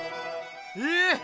ええ！